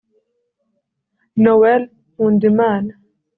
Noel Nkundimana